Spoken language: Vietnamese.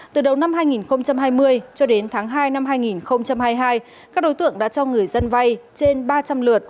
từ đầu năm hai nghìn hai mươi cho đến tháng hai năm hai nghìn hai mươi hai các đối tượng đã cho người dân vay trên ba trăm linh lượt